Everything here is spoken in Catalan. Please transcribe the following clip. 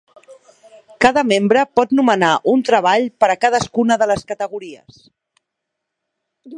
Cada membre pot nomenar un treball per a cadascuna de les categories.